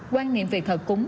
quan niệm về thợ cúng